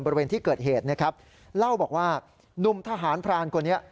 บริเวณที่เกิดเหตุนะครับเล่าบอกว่าหนุ่มทหารพรานคนนี้